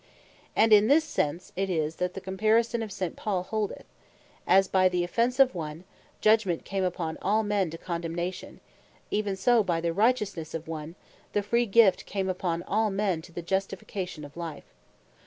And in this sense it is, that the comparison of St. Paul holdeth (Rom. 5.18, 19.) "As by the offence of one, Judgment came upon all men to condemnation, even so by the righteousnesse of one, the free gift came upon all men to Justification of Life."